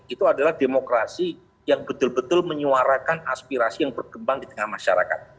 itu adalah demokrasi yang betul betul menyuarakan aspirasi yang berkembang di tengah masyarakat